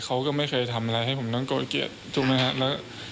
เขาก็ไม่เคยทำอะไรให้ผมต้องโกรธเกียรติถูกมั้ยฮะ